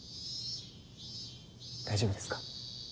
大丈夫ですか？